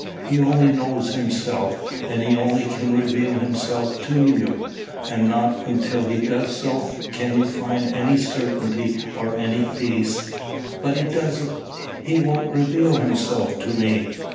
He only knows himself, and he only can reveal himself to you. And not until he does so, can you find any certainty or any peace." "But he doesn't he won't reveal himself to me."